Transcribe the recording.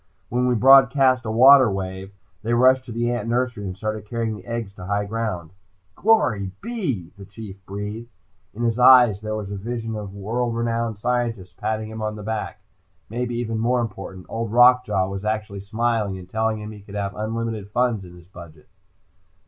When we broadcast a water wave, they rushed to the ant nursery and started carrying eggs to high ground." "Glory be " the Chief breathed. In his eyes there was the vision of world renowned scientists patting him on the back. Maybe even more important, Old Rock Jaw was actually smiling, and telling him he could have unlimited funds in his budget.